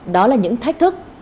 đó là những thách thức